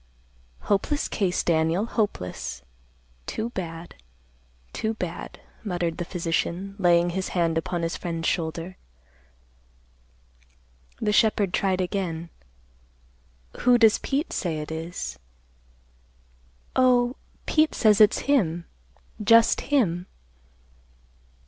"Hopeless case, Daniel; hopeless. Too bad, too bad," muttered the physician, laying his hand upon his friend's shoulder. The shepherd tried again, "Who does Pete say it is?" "Oh, Pete says it's him, just him."